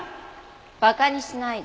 馬鹿にしないで。